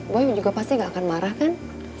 gue juga pasti gak akan marah kan